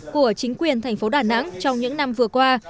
của chính quyền thành phố đà nẵng trong những năm vừa qua